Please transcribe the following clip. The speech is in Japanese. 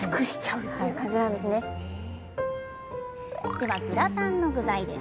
ではグラタンの具材です。